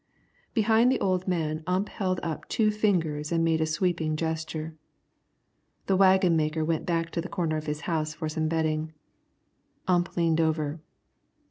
Behind the old man Ump held up two fingers and made a sweeping gesture. The waggon maker went back to the corner of his house for some bedding. Ump leaned over.